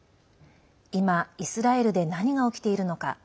今、イスラエルで何が起きているのか。